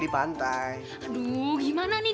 di pantai aduh gimana nih